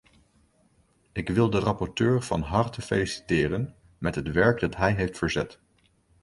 Ik wil de rapporteur van harte feliciteren met het werk dat hij heeft verzet.